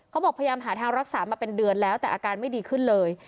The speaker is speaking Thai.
พยายามหาทางรักษามาเป็นเดือนแล้วแต่อาการไม่ดีขึ้นเลย